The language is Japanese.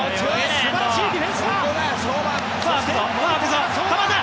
素晴らしいディフェンスだ！